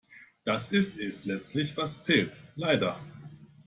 Das ist es letztlich was zählt, leider.